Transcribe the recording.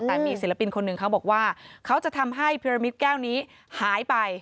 แต่มีศิลปินคนหนึ่งเขาบอกว่าเขาจะทำให้พิรมิตแก้วนี้หายไป